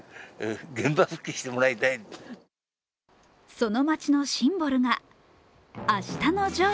その街のシンボルが「あしたのジョー」。